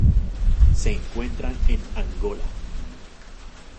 Se encuentran en Angola.